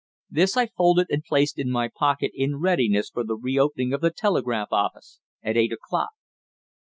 This I folded and placed in my pocket in readiness for the re opening of the telegraph office at eight o'clock.